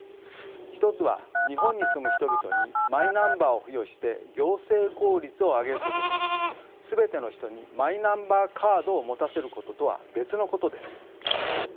１つは日本に住む人々にマイナンバーを付与して行政効率をあげることと全ての人にマイナンバーカードを持たせることとは別のことです。